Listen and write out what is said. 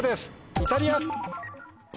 「イタリア」。